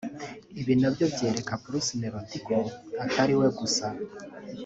Ibi nabyo byereka Bruce Melodie ko atari we gusa